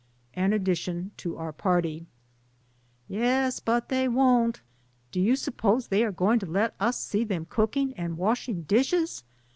AN ADDITION TO OUR PARTY. "Yes, but they won't ; do you suppose they are going to let us see them cooking and washing dishes?